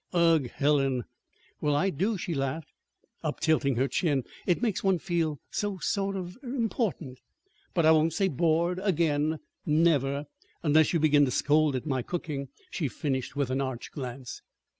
"Ugh! Helen!" "Well, I do," she laughed, uptilting her chin. "It makes one feel so sort of er important. But I won't say 'board' again, never, unless you begin to scold at my cooking," she finished with an arch glance.